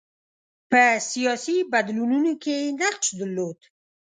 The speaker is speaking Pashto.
په سیاسي بدلونونو کې یې نقش درلود.